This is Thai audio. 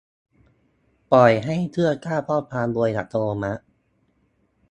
ปล่อยให้เครื่องสร้างข้อความโดยอัตโนมัติ